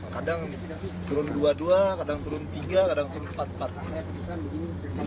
kadang turun dua dua kadang turun tiga kadang turun empat empat